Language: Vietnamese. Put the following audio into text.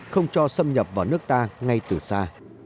không cho xâm nhập vào nước ta ngay từ xa